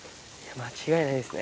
間違いないですね。